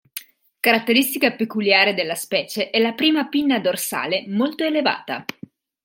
Caratteristica peculiare della specie è la prima pinna dorsale molto elevata.